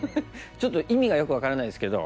ちょっと意味がよく分からないですけど。